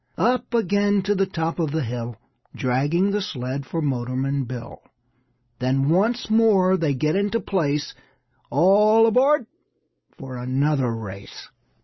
Up again to the top of the hill Dragging the sled for Motorman Bill. Then once more they get into place, All aboard! for another race.